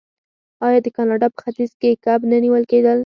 آیا د کاناډا په ختیځ کې کب نه نیول کیدل؟